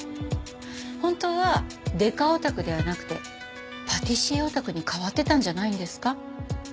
本当はデカオタクではなくてパティシエオタクに変わってたんじゃないんですか？